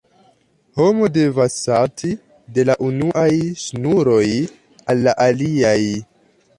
Homo devas salti de la unuaj ŝnuroj al la aliaj.